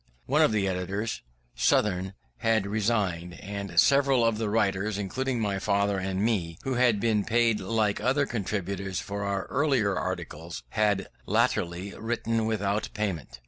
One of the editors, Southern, had resigned; and several of the writers, including my father and me, who had been paid like other contributors for our earlier articles, had latterly written without payment.